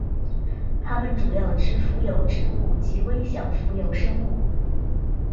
它们主要吃浮游植物及微小浮游生物。